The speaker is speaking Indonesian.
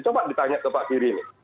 coba ditanya ke pak giri ini